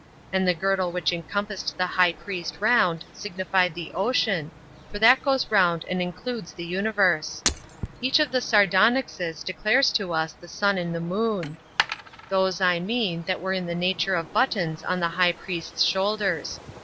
And the girdle which encompassed the high priest round, signified the ocean, for that goes round about and includes the universe. Each of the sardonyxes declares to us the sun and the moon; those, I mean, that were in the nature of buttons on the high priest's shoulders.